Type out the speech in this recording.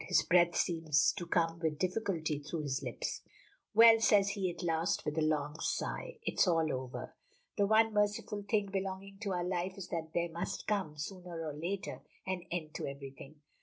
His breath seems to come with difficulty through his lips. "Well," says he at last, with a long sigh, "it's all over! The one merciful thing belonging to our life is that there must come, sooner or later, an end to everything.